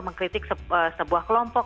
mengkritik sebuah kelompok